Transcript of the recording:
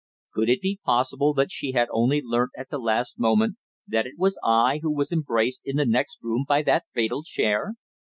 Could it be possible that she had only learnt at the last moment that it was I who was embraced in the next room by that fatal chair!